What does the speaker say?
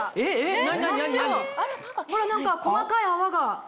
ほら何か細かい泡が。